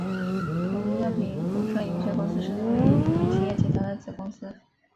统一药品股份有限公司是统一企业集团的子公司。